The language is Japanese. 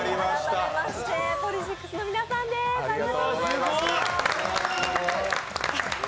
改めましてＰＯＬＹＳＩＣＳの皆さんです、ありがとうございました。